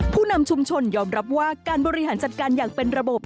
ผู้นำชุมชนยอมรับว่าการบริหารจัดการอย่างเป็นระบบ